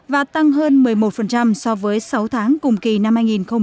và tăng hơn một mươi một so với sáu tháng cùng kỳ năm hai nghìn một mươi tám